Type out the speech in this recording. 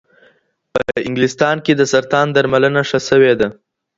په انګلستان کې د سرطان درملنه ښه شوې ده.